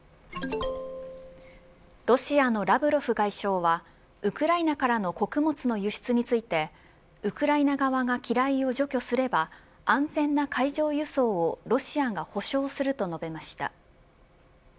ロシアのラブロフ外相はウクライナからの穀物の輸出についてウクライナ側が機雷を除去すれば安全な海上輸送をロシアが保証すると述べました。